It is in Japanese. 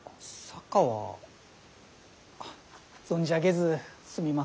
あ存じ上げずすみません。